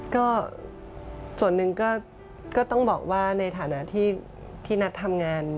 ก็ส่วนหนึ่งก็ต้องบอกว่าในฐานะที่นัททำงาน